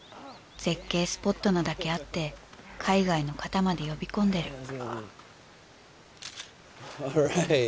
絶景スポットなだけあって海外の方まで呼び込んでる